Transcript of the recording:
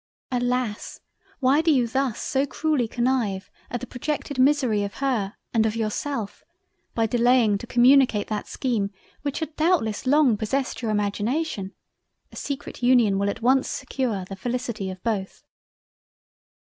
"Alas! why do you thus so cruelly connive at the projected Misery of her and of yourself by delaying to communicate that scheme which had doubtless long possessed your imagination? A secret Union will at once secure the felicity of both."